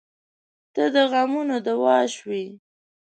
• ته د غمونو دوا شوې.